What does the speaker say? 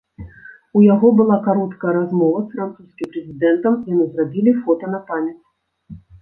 У яго была кароткая размова з французскім прэзідэнтам, яны зрабілі фота на памяць.